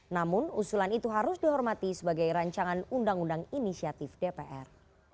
namun usulan itu harus dihormati sebagai rancangan undang undang inisiatif dpr